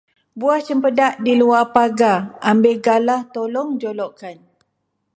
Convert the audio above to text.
Buah cempedak di luar pagar, ambil galah tolong jolokkan.